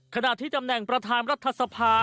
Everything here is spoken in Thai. ขณะที่ตำแหน่งประธานรัฐสภา